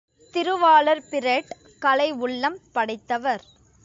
திருவாளர் பிரெட் கலை உள்ளம் படைத்தவர்.